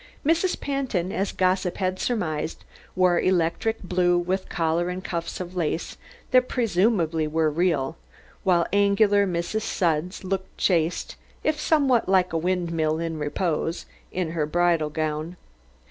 Mrs. Pantin, as gossip had surmised, wore electric blue with collar and cuffs of lace that presumably was real, while angular Mrs. Sudds looked chaste, if somewhat like a windmill in repose, in her bridal gown.